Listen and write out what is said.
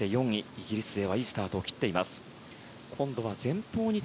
イギリス勢はいいスタートを切っています。